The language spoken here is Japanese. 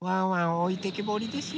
おいてけぼりですよ。